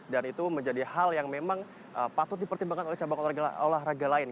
dan itu menjadi hal yang memang patut dipertimbangkan oleh cabang olahraga lain